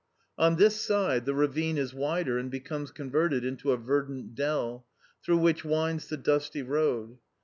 On this side, the ravine is wider and becomes converted into a verdant dell, through which winds the dusty road.